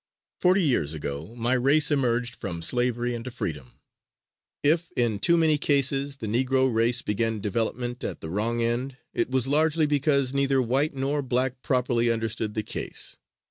Forty years ago my race emerged from slavery into freedom. If, in too many cases, the Negro race began development at the wrong end, it was largely because neither white nor black properly understood the case.